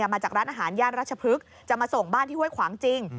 มาจากร้านอาหารย่านรัชพฤกษ์จะมาส่งบ้านที่ห้วยขวางจริง